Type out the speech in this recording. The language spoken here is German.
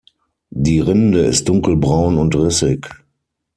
Die Rinde ist dunkelbraun und rissig.